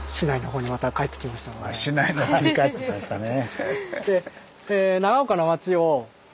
「市内のほう」に帰ってきましたね。